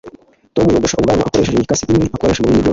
tom yogosha ubwanwa akoresheje imikasi imwe akoresha mubindi byose